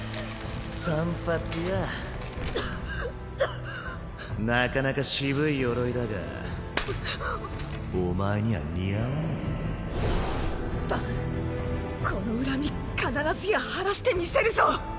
散髪屋ごほっごほっなかなか渋い鎧だがうっお前には似合わねぇバンこの恨み必ずや晴らしてみせるぞ！